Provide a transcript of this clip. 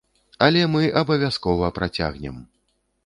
Але мы абавязкова працягнем!